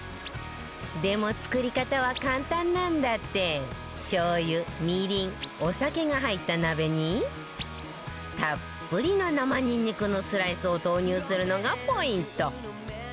でも、作り方は簡単なんだってしょう油、みりんお酒が入った鍋にたっぷりの生ニンニクのスライスを投入するのがポイント